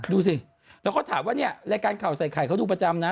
ดูสิแล้วก็ถามว่าเนี่ยรายการข่าวใส่ไข่เขาดูประจำนะ